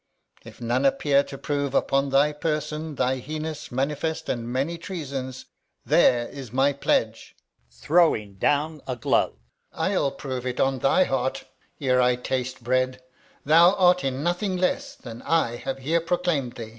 If none appear to prove upon thy person Thy heinous, manifest, and many treasons, There is my pledge [throws down a glove]! I'll prove it on thy heart, Ere I taste bread, thou art in nothing less Than I have here proclaim'd thee.